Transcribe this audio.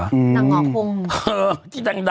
หนังเหงาพงอื้อ